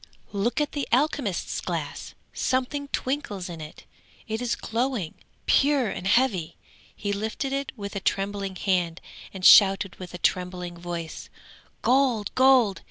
'Look at the alchemist's glass! something twinkles in it; it is glowing, pure and heavy. He lifted it with a trembling hand and shouted with a trembling voice: "Gold! gold!"